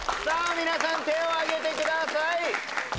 皆さん手をあげてください